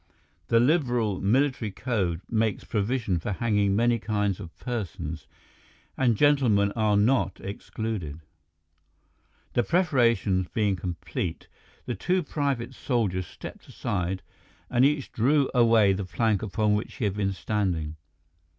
The liberal military code makes provision for hanging many kinds of persons, and gentlemen are not excluded. The preparations being complete, the two private soldiers stepped aside and each drew away the plank upon which he had been standing.